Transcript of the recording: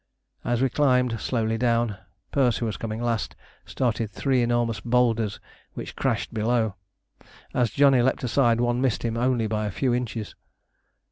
As we climbed slowly down, Perce, who was coming last, started three enormous boulders, which crashed below. As Johnny leapt aside one missed him by only a few inches.